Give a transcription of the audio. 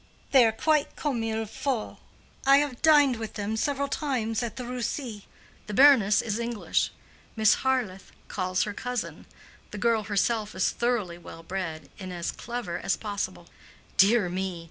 "They are quite comme il faut. I have dined with them several times at the Russie. The baroness is English. Miss Harleth calls her cousin. The girl herself is thoroughly well bred, and as clever as possible." "Dear me!